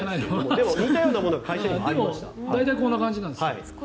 でも大体こんな感じなんですね。